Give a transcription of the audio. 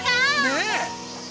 ねえ！